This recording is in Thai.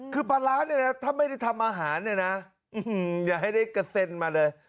คือปลาร้าเนี่ยนะถ้าไม่ได้ทำอาหารเนี่ยนะอย่าให้ได้กระเซ็นมาเลย